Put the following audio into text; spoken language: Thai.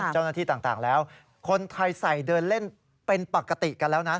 เจ้าหน้าที่ต่างแล้วคนไทยใส่เดินเล่นเป็นปกติกันแล้วนะ